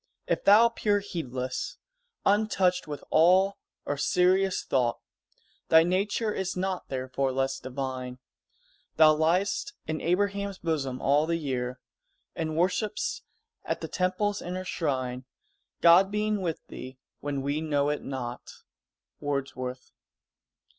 if thou appear Heedless untouched with awe or serious thought, Thy nature is not therefore less divine: Thou liest in Abraham's bosom all the year; And worship'st at the Temple's inner shrine, God being with thee when we know it not." _Wordsworth.